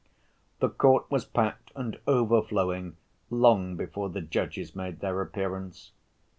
The court was packed and overflowing long before the judges made their appearance.